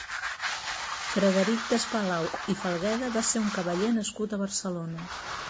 Frederic Despalau i Salgueda va ser un cavaller nascut a Barcelona.